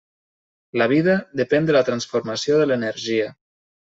La vida depèn de la transformació de l'energia.